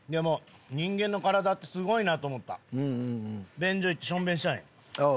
便所行って小便したんよ。